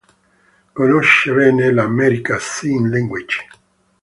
Conosce bene l"'American Sign Language".